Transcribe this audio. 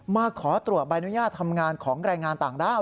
มาขอตรวจใบอนุญาตทำงานของแรงงานต่างด้าว